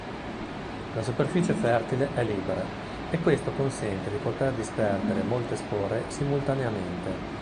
La superficie fertile è libera e questo consente di poter disperdere molte spore simultaneamente.